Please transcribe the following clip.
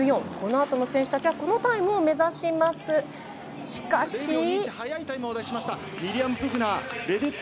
このあとの選手たちは、このタイムを目指しますがしかし。